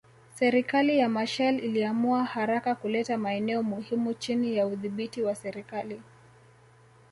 Serikali ya Machel iliamua haraka kuleta maeneo muhimu chini ya udhibiti wa serikali